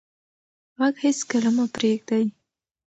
غږ هېڅکله مه پرېږدئ.